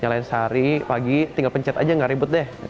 nyalain sehari pagi tinggal pencet aja nggak ribet deh